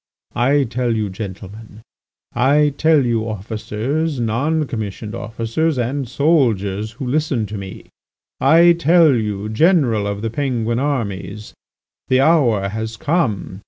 I tell you, gentlemen, I tell you officers, non commissioned officers, and soldiers who listen to me, I tell you General of the Penguin armies, the hour has come!